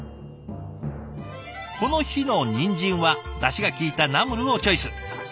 この日のにんじんはだしが効いたナムルをチョイス。